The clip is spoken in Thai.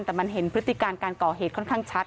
แต่มันเห็นพฤติการการก่อเหตุค่อนข้างชัด